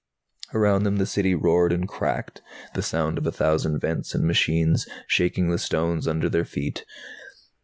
Around them the City roared and cracked, the sound of a thousand vents and machines, shaking the stones under their feet.